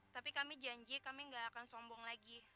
tapi kami janji kami gak akan sombong lagi